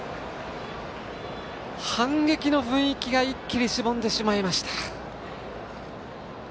反撃の雰囲気が一気にしぼんでしまいました。